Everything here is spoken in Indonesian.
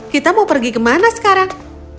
kita mau pergi ke mana sekarang